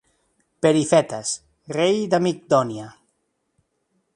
Perifetes, rei de Migdònia.